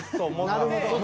なるほど。